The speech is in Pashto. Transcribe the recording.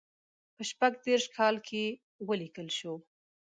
په شپږ دېرش کال کې ولیکل شو.